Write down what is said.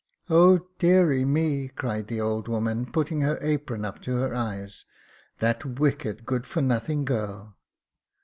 " Oh ! deary me," cried the old woman, putting her apron up to her eyes ;'* that wicked, good for nothing girl